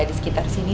di sekitar sini